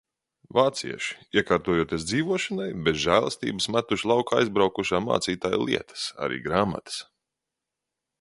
Vācieši, iekārtojoties dzīvošanai, bez žēlastības metuši laukā aizbraukušā mācītāja lietas, arī grāmatas.